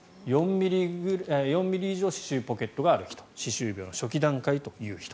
４ｍｍ以上歯周ポケットがある人歯周病の初期段階という人。